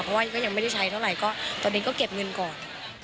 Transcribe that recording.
เพราะว่าก็ยังไม่ได้ใช้เท่าไหร่ก็ตอนนี้ก็เก็บเงินก่อน